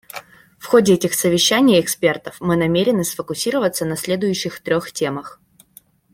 В ходе этих совещаний экспертов мы намерены сфокусироваться на следующих трех темах.